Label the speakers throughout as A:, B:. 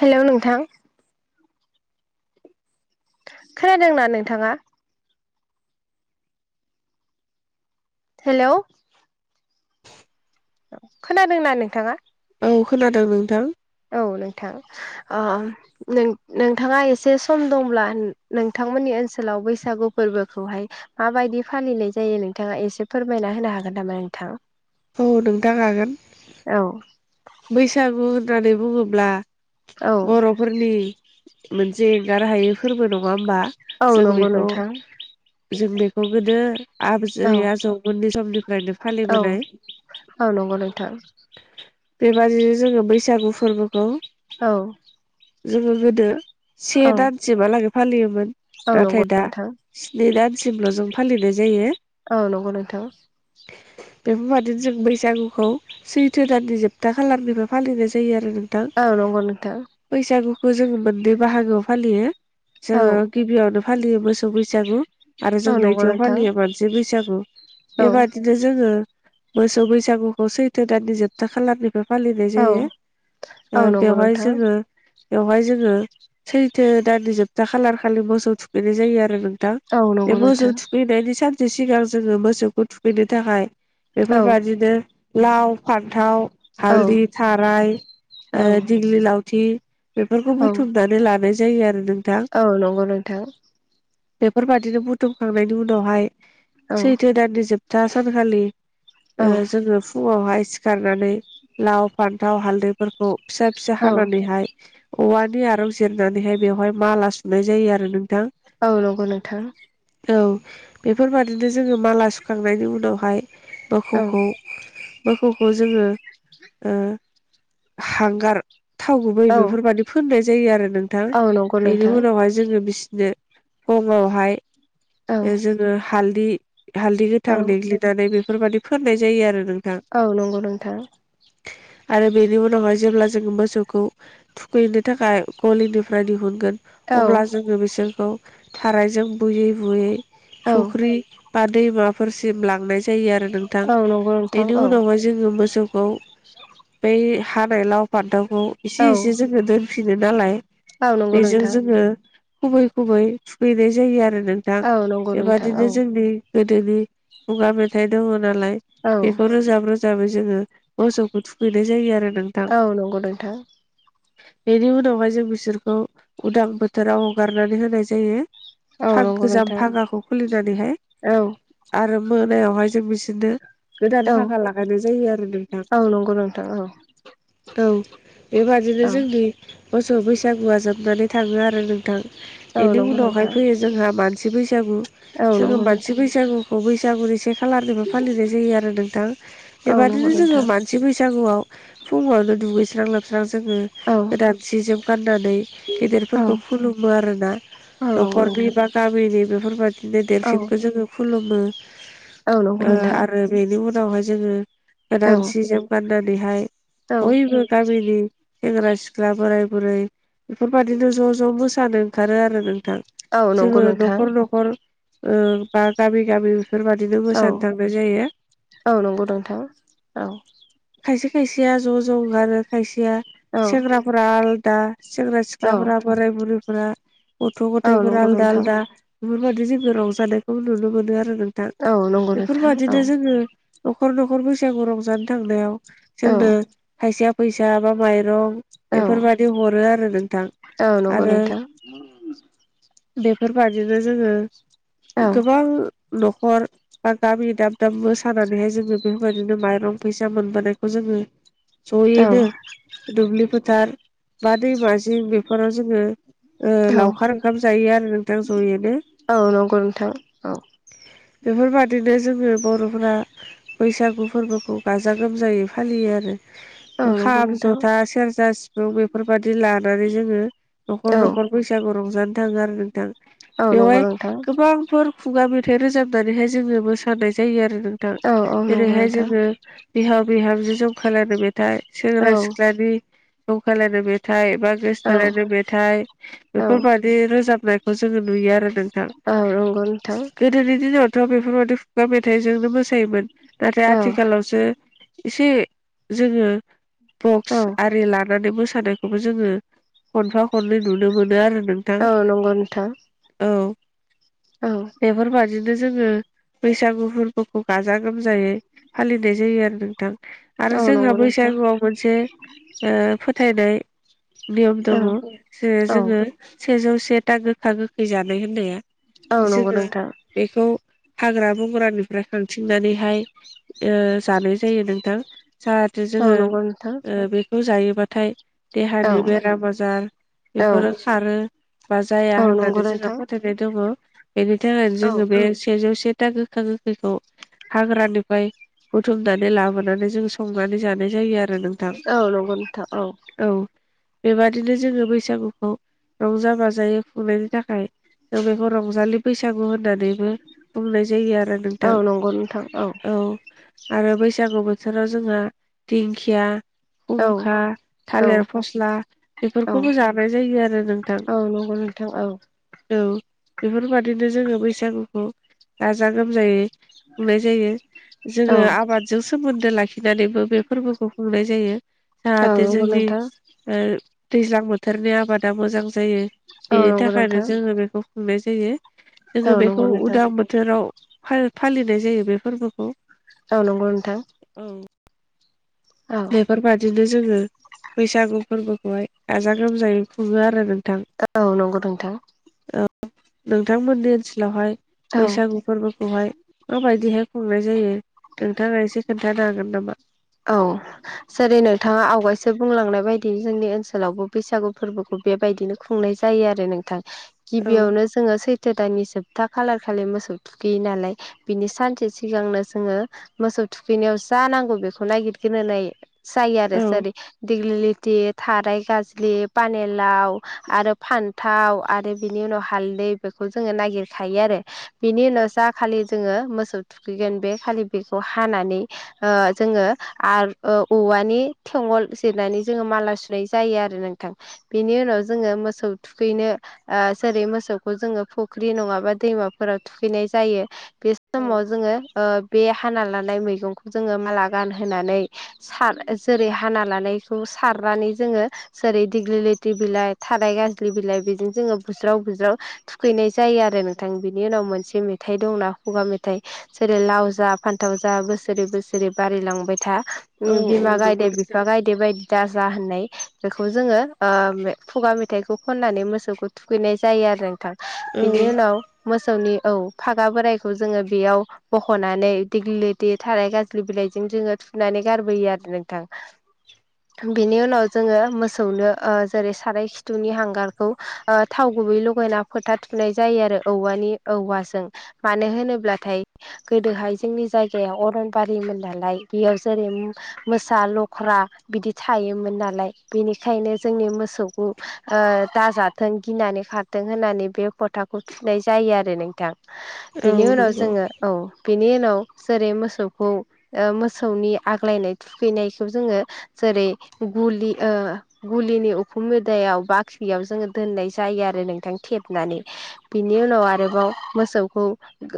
A: Hello नोंथां। खोनादों ना नोंथाङा? हेलौ औ खोनादों ना नोंथाङा?
B: औ खोनादों नोंथां।
A: औ नोंथां ओम नों- नोंथाङा एसे सम दंब्ला नोंथांमोननि ओनसोलाव बैसागु फोरबोखौहाय माबायदि फालिनाय जायो नोंथाङा एसे फोरमायना होनो हागोन नामा नोंथां?
B: औ नोंथां हागोन।
A: औ।
B: बैसागु होननानै बुङोब्ला
A: औ
B: बर'फोरनि मोनसे एंगारहायै फोरबो नङा होमबा।
A: औ
B: जों
A: नंगौ
B: बेखौ
A: नोंथां
B: जों बेखौ गोदो आबजै
A: औ
B: आजौमोननि समनिफ्रायनो
A: औ
B: फालिबोनाय।
A: औ नंगौ नोंथां
B: बेबादिनो जोङो बैसागु फोरबोखौ
A: औ।
B: जोङो गोदो से
A: औ
B: दानसिम हालागै फालियोमोन।
A: औ नंगौ
B: नाथाय दा
A: नोंथां
B: स्नि दानसिमल' जों फालिनाय जायो।
A: औ नंगौ नोंथां।
B: बेफोरबादिनो जों बैसागुखौ सैथो दाननि जोबथा खालारनिफ्राय फालिनाय जायो आरो नोंथां।
A: औ नंगौ नोंथां।
B: बैसागुखौ जोङो मोननै बाहागोआव फालियो।
A: औ
B: जोङो गिबियावनो फालियो मोसौ बैसागु आरो जों
A: औ नंगौ
B: नैथियाव
A: नोंथां
B: फालियो मानसि बैसागु।
A: औ
B: बेबादि नो जोङो मोसौ बैसागुखौ सैथो दाननि जोबथा खालारनिफाय फालिनाय
A: औ
B: जायो।
A: औ
B: ओ
A: नंगौ
B: बेवहाय
A: नोंथां
B: ओ बेवहाय जोङो सैथो दाननि जोबथा खालार खालि मोसौ थुखैनाय जायो आरो नों थां
A: औ
B: बे
A: नंगौ
B: मोसौ
A: नोंथां
B: थुखैनायनि सान से सिगां जोङो मोसौखौ थुखैनो थाखाय
A: औ
B: बेफोरबादिनो लाव फान्थाव
A: औ
B: हालदि थाराय
A: औ
B: ओ दिग्लि लावथि बेफोरखौ
A: औ
B: बुथुमनानै लानाय जायो आरो नोंथां।
A: औ नंगौ नोंथां।
B: बेफोरबादिनो बुथुमखांनायनि उनावहाय
A: औ
B: सैथो दाननि जोब था सानखालि
A: औ
B: ओ जोङो फुङावहाय सिखारनानै लाव फान्थाव हालदैफोरखौ फिसा फिसा
A: औ
B: हानानैहाय औवानि आराव जिरनानैहाय बेवहाय माला सुनाय जायो आरो नोंथां।
A: औ नंगौ नोंथां।
B: औ बेफोरबादिनो जोङो माला सुखांनायनि उनावहाय
A: औ
B: मोखौखौ मोफौखौ जोङो ओ
A: [inaudible]
B: हांगार थाव गुबै
A: औ
B: बेफोरबायदि फोननाय जायो आरो नों थां
A: औ नंगौ
B: बेनि
A: नोंथां
B: उनावहाय जोङो बिसनो खमावहाय
A: औ
B: जोङो हालदि हालदै
A: औ
B: गोथां देग्लिनानै बेफोरबाददि फोननाय जायो आरो नों
A: औ नंगौ नोंथां।
B: आरो बेनि उनावहाय जेब्ला जोङो मो मोसौखौ थुखैनो थाखाय गलिनिफ्राय दिहुनगोन
A: औ
B: अब्ला जोङो बिसोरखौ थारायजों बुयै बुयै
A: औ
B: फुख्रि बा दैमाफोरसिम लांनाय जायो आरो नोंथां
A: औ नंगौ नोंथां
B: बेनि
A: औ
B: उनावहाय जोङो मोसौखौ बै हानाय लाव फान्थावखौ एसे एसे
A: औ
B: जोङो दोन फिनो नालाय
A: औ नंगौ
B: बेजों
A: नोंथां
B: जोङो खुबै खुबै थुखैनाय जायो आरो नों थां
A: औ नंगौ नोंथां औ
B: बेबादिनो जोंनि गोदोनि खुगा मेथाइ दङ नालाय
A: औ
B: बेखौ रोजाब रो जाबै जोङो मोसौखौ थुखैनाय जायो आरो नोंथां।
A: औ नंगौ नोंथां।
B: बेनि उनावहाय जों बिसोरखौ उदां बोथोराव हगारनानै होनाय जायो
A: औ
B: फाग
A: नंगौ
B: गोजाम
A: नोंथां
B: फागाखौ खुलिनानैहाय
A: औ
B: आरो मोनायावहाय जों बिसोरनो
A: औ
B: गोदान फागा लागायनाय जायो आरो नोंथां
A: औ नंगौ नोंथां औ
B: औ। बेबादिनो
A: औ
B: जोंनि मोसौ बैसागुआ जोबनानै थाङो आरो नोंथां
A: औ
B: बेनि
A: नंगौ
B: उनावहाय
A: नोंथां
B: फैयो जोंहा मानसि बैसागु
A: औ नंगौ
B: जोङो
A: नोंथां
B: मानसि बैसागु खौ बैसागुनि से खालारनिबो फालिनाय जायो आरो नोंथां
A: औ नंगौ
B: बेबादिनो जोङो
A: नोंथां औ
B: मानसि बैसागुआव फुङावनो दुगैस्रां लोबस्रां जोङो गोदानसेजों गाननानै गेदेरफोरखौ
A: औ नंगौ
B: खुलुमो आरोना
A: नोंथां
B: न'खरनि बा गामिनि बेफोरबायदि दिनो देरसिनखौ जोङो खुलुमो
A: औ नंगौ नोंथां
B: आरो बेनि उनावहाय जोङो
A: औ
B: गोदान सि जोम गाननानैहाय
A: औ
B: बयबो गामि नि सेंग्रा सिख्ला बोराय बुरै बेफोरबायाददिनो ज' ज' मोसानो ओंखारो आरो नों थां
A: औ नंगौ
B: जोङो
A: नोंथां
B: न'खर न'खर बा गामि गामि बेफोरबादिनो
A: औ
B: मोसानो थांनाय जायो
A: औ नंगौ नोंथां औ
B: खायसे खायसेया ज' ज' ओंखारो खायसेया
A: औ
B: सेंग्राफोरा आलदा सेंग्रा
A: औ
B: सिख्लाफोरा बोराय बुरैफोरा गथ'
A: औ
B: गथाइफोर
A: नंगौ
B: आलदा
A: नोंथां
B: आलदा बेफोरबादि जोङो रंजानायखौ नुनो मोनो आरो नोंथां
A: औ नंगौ नोंथां औ
B: बेफोरबादिनो जोङो न'खर न'खर बैसागु रंजानो थांनायाव
A: औ
B: जोंनो खायसेया फैसा बा माइरं
A: औ
B: बेफोरबायदि हरो आरो नोंथां
A: औ नंगौ
B: आरो
A: नोंथां
B: बेफोरबादिनो जोङो
A: औ
B: गोबां न'खर बा गामि दाब दाब मोसानानैहाय जोङो बेफोरबायदिनो माइरं फैसा मोनबोनायखौ जोङो
A: औ
B: जयैनो दुब्लि फोथार बा दैमाजिं बेफोराव जोङो ओ
A: औ
B: लावखार ओंखाम जायो आरो नोंथां ज'यैनो।
A: औ नंगौ नोंथां औ
B: बेफोरबादिनो जोङो बर'फोरा बैसागु फोरबोखौ गाजा गोमजायै फालियो आरो।
A: औ नंगौ
B: खाम
A: नोंथां
B: जथा सेरजा सिफुं बेफोरबादि लानानै जोङो
A: औ
B: न'खर न'खर बैसागु रंजानो थाङो आरो नोंथां
A: औ नंगौ
B: बेवहाय
A: नोंथां
B: गोबां बेफोर खुगा मेथाइ रोजाबनानैहाय जोङो मोसानाय जायो आरो नों थां
A: औ औ नंगौ
B: जेरैहाय
A: नोंथां
B: जोङो बिहाव बिहामजो जंखाय लायनाय मेथाइ
A: औ
B: सेंग्रा सिख्ला बादि जंखायलायनाय मेथाइ बा
A: औ
B: गोसथोलायनाय मेथाइ बेफोरबा दि बे रोजाबनायखौ जोङो नुयो आरो नोंथां
A: औ नंगौ नोंथां
B: गो दोनि दिनैनि दिनावथ' बेफोरबाददि खुगा मेथाइजोंनो मोसायोमोन नाथाय
A: औ
B: आथिखालाव जे एसे जोङो
A: औ
B: बक्स आरि लानानै मोसानायखौबो जोङो खनफा खननै नुनो मोनो आरो नोंथां।
A: औ नंगौ औ नंगौ नोंथां
B: औ
A: औ
B: बेफोरबादिनो जोङो। बैसागु फोरबोखौ गाजा गोमजायै फालिनाय जायो आरो नोंथां। आरो
A: औ नंगौ
B: जोंहा
A: नोंथां
B: बैसाग सागुआव मोनसे ओ फोथायनाय नियम दङ
A: औ
B: जे जोङो। सेजौ सेथा गोखा गोखै जानाय होननाया जोङो। बेखौ हाग्रा बंग्रानिफ्राय खांथिंनानैहाय ओ जानाय जायो नोंथां। जाहाथे जोङो
A: नंगौ नोंथां
B: ओ बेखौ जायोबाथाय देहानि बेराम आजार
A: औ
B: बेफोरो खारो बा जाया
A: औ नंगौ
B: होननानै जोङो
A: नोंथां
B: फोथाय नाय दङ। बेनि थाखायनो
A: औ
B: जोङो बे सेजौ सेथा गोखा गोखैखौ हाग्रानिफ्राय बुथुमनानै लाबोनानै जों सं नानै जानाय जायो आरो नोंथां।
A: औ नंगौ नोंथां
B: औ बेबादिनो जोङो बैसागुखौ रंजा बाजायै खुंनायनि थाखाय खो बेखौ रंजालि बैसागु होननानै बो बुंनाय जायो आरो
A: औ
B: नोंथां।
A: नंगौ नोंथां
B: औ आरो बैसागु बोथोराव जोंहा दिंखिया
A: औ
B: खुंखा,
A: औ
B: थालिर फस्ला
A: औ
B: बेफोरखौबो जानाय जायो आरो नोंथां।
A: औ नंगौ नोंथां औ।
B: ओं बेफोरबादिनो जोङो बैसागुखौ गाजा गोमजायै खुंनाय जायो।
A: औ
B: जोङो आबाद जों सोमोन्दो लाखिनानैबो बे फोरबोखौ खुंनाय जायो।
A: औ
B: जाहाथे
A: नंगौ
B: जोंनि
A: नोंथां
B: ओ दैज्लां बोथोरनि आबादा मोजां जायो।
A: औ
B: बेनि
A: नंगौ
B: थाखायनो
A: नोंथां
B: जोङो बेखौ खुंनाय जायो। जोङो
A: औ नंगौ
B: बेखौ
A: नोंथां
B: उदां बो थोराव फा-फालिनाय जायो बे फोरबोखौ।
A: औ नंगौ नोंथां।
B: औ
A: औ
B: बेफोरबादिनो जोङो बैसागु फोरबोखौहाय गाजा गोमजायै खुङो आरो नोंथां।
A: औ नंगौ नोंथां।
B: औ नोंथांमोननि ओनसोलावहाय
A: औ
B: बैसागु फोरबोखौहाय माबायदिहाय खुंनाय जायो नोंथाङा एसे खोन्थानो हागोन नामा‌?
A: औ जेरै नोंथाङा आवगायसो बुंलांनाय बायदि जोंनि ओनसोलावबो बैसागु फोरबोखौ बेबायदिनो खुंनाय जायो आरो नोंथां।
B: औ
A: गिबियावनो जो जोङो सैथो दानानि सोबथा खालार खालि मोसौ थुखैयो नालाय। बिनि सानसे सिगांनो जोङो मोसौ थुखैनायाव जा नांगौ बेख खौ नायगिरग्रोनाय जायो आरो। जेरै
B: औ
A: दिग्लिलिथि, थाराय गाज्लि, पानि लाव आरो फान्थाव आरो बिनि उनाव हालदै बेखौ जोङो नागिरखायो आरो। बिनि उनाव जा खालि जोङो मोसौ थुखैगोन बे खालि बेखौ हानानै ओ जोङो आर औ औवानि थेङल जिरनानै जोङो माला सुनाय जायो आरो नोंथां। बेनि उनाव जोङो मोसौ थुखैनो ओ जेरै मोसौखौ जोङो फुख्रि नङाबा दैमाफोराव थुखैनाय जायो। बे स समाव जोङो ओ बे हाना लानाय मैगंखौ जोङो माला गानहोनानै सार जेरै हाना लानायखौ सारनानै जोङो। जेरै दिग्लिलिथि बिलाइ थाराय गाज्लि बिलाइ बेजों जोङो बुज्राव बुज्राव थुखैनाय जायो आरो नोंथां बिनि उनाव मोनसे मेथाइ दंना खुगा मेथाइ जेरै लाव जा फान्थाव जा बोसोरै बोसोरै बारिलां बाय था
B: औ औ
A: बिमा
B: नंगौ
A: गायदे
B: नोंथां
A: बिफा गायदे बायदि गारजा होननाय बेखौ जोङो ओ बे खुगा मेथाइखौ खननानै मोसौखौ थुखैनाय जायो आरो नोंथां। बिनि
B: औ
A: उनाव मोसौनि औ फागा बोरायखौ जोङो बेयाव बख'नानै दिग्लिलिथि थाराय गाजलि बिलाइजों जोङो थुनानै गारबोयो आरो नोंथां। बिनि उनाव जोङो मोसौनो ओ जेरै साराय खिथुनि हांगारखौ ओ थाव गुबै लगायना फोथा थुनाय जायो आरो औवानि औवाजों मानो होनोब्लाथाय गोदोहाय जोंनि जायगायाव अरनबारिमोन नालाय बेयाव जेरै मोसा लख्रा बिदि थायोमोन नालाय बेनिखायनो जोंनि मोसौखौ ओ दाजाथों गिनानै खार थों होननानै बे फोथाखौ थुनाय जायो आरो नोंथां
B: औ
A: बेनि उनाव
B: नंगौ
A: जोङो औ बेनि उनाव जेरै मोसौखौ ओ मो सौनि आग्लायनाय थुखैनायखौ जोङो जेरै गुलि ओ गुलिनि उखुम मोदायाव बाख्रियाव जोङो दोननाय जायो आरो नोंथां थेबनानै बिनि उनाव आरोबाव मोसौखौ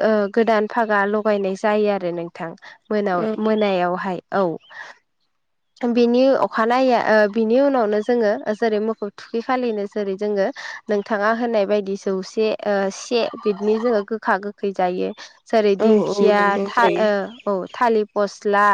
A: ओ गोदान फागा लगायनाय जायो आरो नोंथां मोनायाव
B: औ
A: औ बिनि अखानायै ओ बिनि उनावनो जोङो जेरै मोखौ थुखै खालिनो जेरै जोङो नोंथाङा होननाय बायदि जौसे ओ से बिदिनो जोङो गोखा गोखै जायो जेरै
B: औ औ
A: दिंखिया
B: नंगौ
A: था
B: जायो
A: ओ औ थालिर फस्ला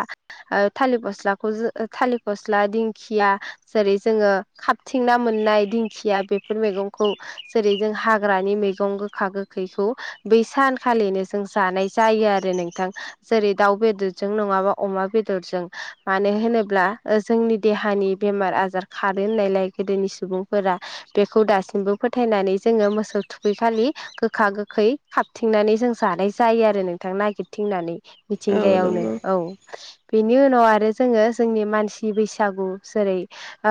A: ओ थालिर फस्लाखौ जो थालिर फस्ला दिंखिया जेरै जोङो खाबथिंना मोननाय दिंखिया बेफोर मैगंखौ जेरै जों हाग्रानि मैगं गोखा गोखैखौ बै सानखालिनो जों जानाय जायो आरो नोंथां जेरै दाउ बेदर जों नङा अमा बेदरजों मानो होनोब्ला ओ जोंनि देहानि बेमार आजार खारो होननायलाय गोदोनि सुबुंफोरा बेखौ दासिमबो फोथायनानै जोङो मोसौ थुखैखालि गोखा गोखै खाबथिंनानै जों जानाय जायो आरो नोंथां नागिरथिंनानै
B: औ
A: मिथिंगा आवनो
B: नंगौ
A: औ बेनि उनाव आरो जोङो जोंनि मानसि बैसागु जेरै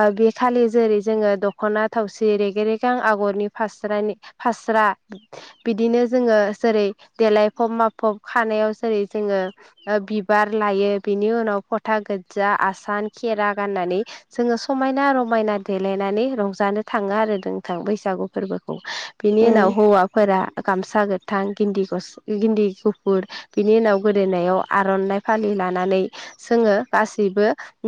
A: ओ बे खालि जेरै जोङो दख'ना थावसि रेग रेगां आगरनि फास्रानि फास्रा बिदिनो जोङो जेरै देलायफब माफब खानायाव जेरै जोङो ओ बि बार लायो बिनि उनाव फथा गोज्जा आसान खेरा गाननानै जोङो समायना रमायना देलायनानै रंजानो थाङो आरो नोंथां बैसागु फोरबोखौ बिनि
B: औ
A: उनाव हौवाफोरा गामसा गोथां गिन्दि गस गिन्दि गुफुर बिनि उनाव गोदोनायाव आर'नाइ फालि लानानै जोङो गासैबो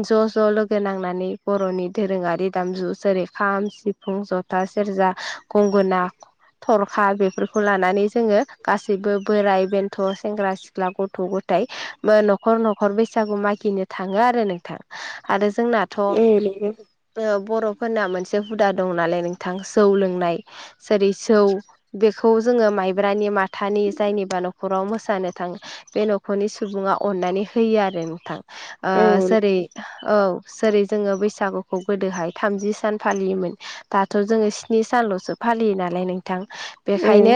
A: ज' ज' लोगो नांनानै बर'नि दोरोङारि दामजु जेरै खाम सि फुं जथा सेरजा गंगोना थरखा बेफोरखौ लानानै जोङो गासि सैबो बोराइ बेन्थ' सेंग्रा सिख्ला गथ' गथाइ बो न'खर न'खर बैसागु मागिनो थाङो आरो नोंथां आरो जोंना
B: ए नोंगो
A: ओ बर'फोरना मोनसे हुदा दं नालाय नोंथां जौ लोंनाय जेरै जौ बेखौ खौ जोङो माइब्रानि माथानि जायनिबा न'खराव मोसानो थाङो बे न'खरनि सुबुङाव अननानै होयो आरो नोंथां
B: औ नंगौ
A: जेरै औ जेरै जोङो बैसागुखौ गोदोहाय थामजि सान फालियोमोन दाथ' जोङो स्नि सानल'सो फालियो नालाय नोंथां
B: औ
A: बेखायनो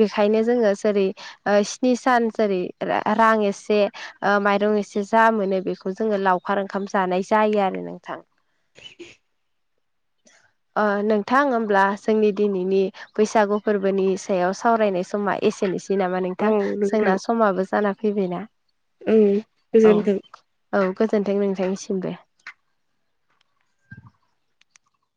A: बेखायनो जोङो जेरै स्नि सान जेरै रां एसे एसे माइरं एसे जा मोनो बेखौ जोङो लावखार ओंखाम जानाय जायो आरो नोंथां ओ नोंथां होमब्ला जोंनि दिनैनि बैसागु फोरबोनि सायाव सावरायनाय समाय एसेनोसै नामा
B: औ
A: नोंथां
B: नोंथां
A: जोंना समाबो जाना फैबायना
B: औओ
A: औ औ गोजोन्थों नोंथांनिसिम बो